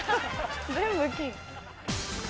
全部金。